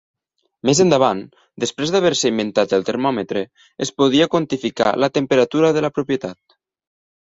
Més endavant, després d'haver-se inventat el termòmetre, es podia quantificar la temperatura de la propietat.